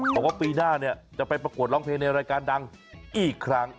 บอกว่าปีหน้าเนี่ยจะไปประกวดร้องเพลงในรายการดังอีกครั้ง